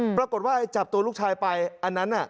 ปรากฏว่าจับตัวลูกชายไปอันนั้นน่ะ